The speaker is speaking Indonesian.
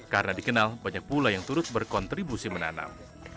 karena dikenal banyak pula yang turut berkontribusi menanam